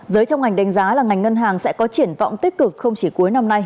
giới trong ngành đánh giá là ngành ngân hàng sẽ có triển vọng tích cực không chỉ cuối năm nay